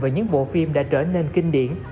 về những bộ phim đã trở nên kinh điển